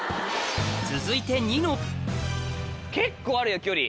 続いて結構あるよ距離。